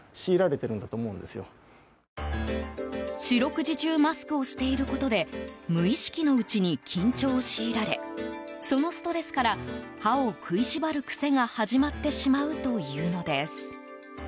四六時中マスクをしていることで無意識のうちに緊張を強いられそのストレスから歯を食いしばる癖が始まってしまうというのです。